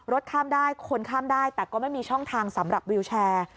ข้ามได้คนข้ามได้แต่ก็ไม่มีช่องทางสำหรับวิวแชร์